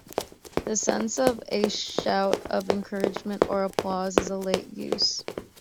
The sense of a shout of encouragement or applause is a late use.